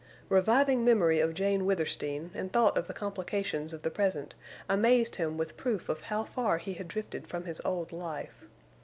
Reviving memory of Jane Withersteen and thought of the complications of the present amazed him with proof of how far he had drifted from his old life.